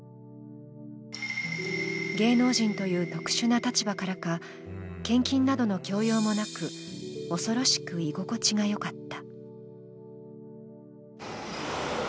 芸能人という特殊な立場からか、献金などの強要もなく恐ろしく居心地がよかった。